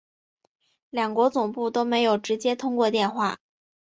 两国总统都没有直接通过电话